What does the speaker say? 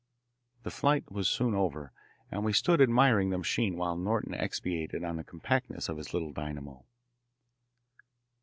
The flight was soon over, and we stood admiring the machine while Norton expatiated on the compactness of his little dynamo.